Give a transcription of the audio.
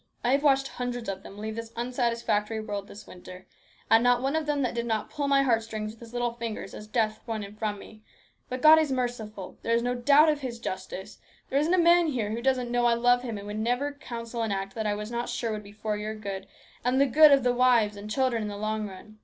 I have watched hundreds of them leave this unsatisfactory world this winter, and not one of them that did not pull my heartstrings with his little fingers as death won him from me. But God is merciful. There is no doubt of His justice. There isn't a man here who doesn't know I love him and would never counsel an act that I was not sure would be for your good and the good of the wives and children in the long run.